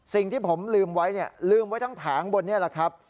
สิ่งที่ผมลืมไว้เนี่ยลืมไว้ทั้งแผงบนนี้แหละครับ